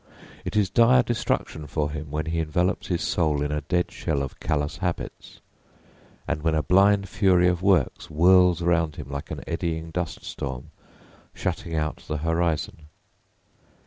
It is dire destruction for him when he envelopes his soul in a dead shell of callous habits, and when a blind fury of works whirls round him like an eddying dust storm, shutting out the horizon.